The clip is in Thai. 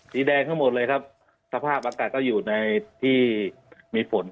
สีแดงทั้งหมดเลยครับสภาพอากาศก็อยู่ในที่มีฝน